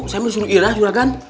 saya mesti suruh irah jorokan